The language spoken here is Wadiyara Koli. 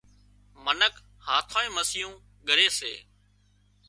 منک هاٿانئي مسيون ڳري سي